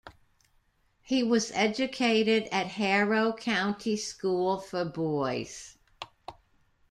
He was educated at Harrow County School for Boys.